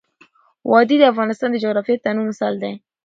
وادي د افغانستان د جغرافیوي تنوع مثال دی.